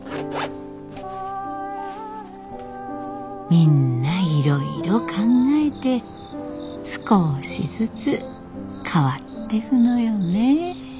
みんないろいろ考えて少しずつ変わってくのよね。